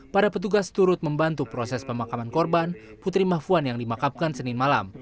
para petugas turut membantu proses pemakaman korban putri mahfuan yang dimakapkan senin malam